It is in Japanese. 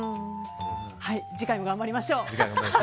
次回も頑張りましょう。